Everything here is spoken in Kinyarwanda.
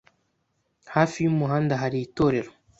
Hafi y'umuhanda hari itorero.